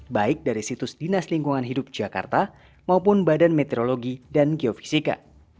baik dari situs dinas lingkungan hidup jakarta maupun badan meteorologi dan geofisika